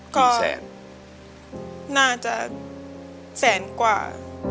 ก็น่าจะแสนกว่า